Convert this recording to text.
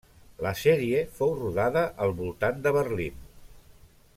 La sèrie fou rodada al voltant de Berlín.